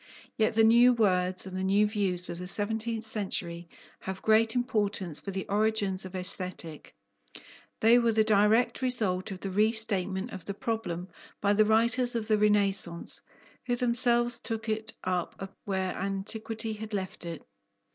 Yet the new words and the new views of the seventeenth century have great importance for the origins of Aesthetic; they were the direct result of the restatement of the problem by the writers of the Renaissance, who themselves took it up where Antiquity had left it.